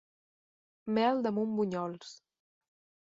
Mel damunt bunyols.